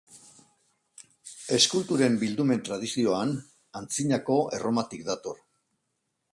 Eskulturen bildumen tradizioan Antzinako Erromatik dator.